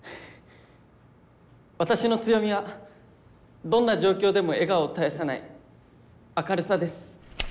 私の強みはどんな状況でも笑顔を絶やさない明るさです。